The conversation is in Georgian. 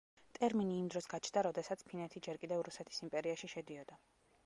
ტერმინი იმ დროს გაჩნდა, როდესაც ფინეთი ჯერ კიდევ რუსეთის იმპერიაში შედიოდა.